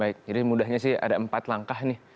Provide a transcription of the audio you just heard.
baik jadi mudahnya sih ada empat langkah nih